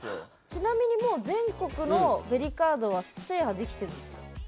ちなみに全国のベリカードは制覇できてるんですか？